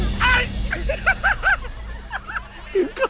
โดยกล่อง